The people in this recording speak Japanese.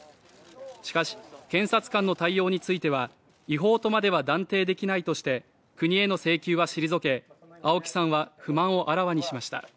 しかし、検察官の対応については違法とまでは断定できないとして国への請求は退け、青木さんは不満をあらわにしました。